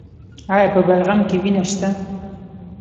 ایا په بلغم کې وینه شته؟